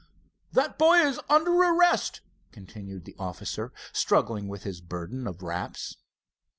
"That boy is under arrest," continued the officer, struggling with his burden of wraps.